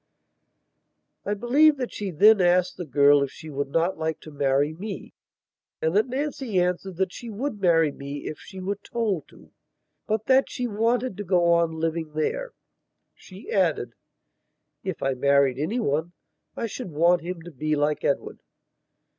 I believe that she then asked the girl if she would not like to marry me, and that Nancy answered that she would marry me if she were told to; but that she wanted to go on living there. She added: "If I married anyone I should want him to be like Edward."